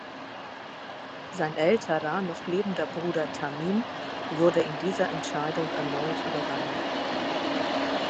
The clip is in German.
Sein älterer noch lebender Bruder Tamim wurde in dieser Entscheidung erneut übergangen.